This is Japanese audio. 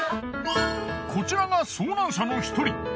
こちらが遭難者の１人。